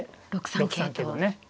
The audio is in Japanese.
６三桂と。